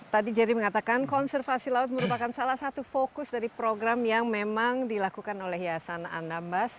tadi jerry mengatakan konservasi laut merupakan salah satu fokus dari program yang memang dilakukan oleh yayasan anambas